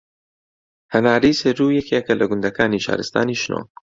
هەنارەی سەروو یەکێکە لە گوندەکانی شارستانی شنۆ